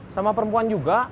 sama perempuan juga